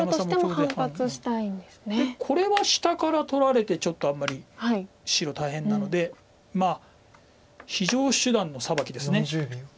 でこれは下から取られてちょっとあんまり白大変なのでまあ非常手段のサバキです。